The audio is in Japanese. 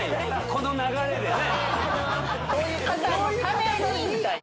この流れでね